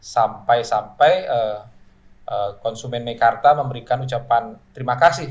sampai sampai konsumen mekarta memberikan ucapan terima kasih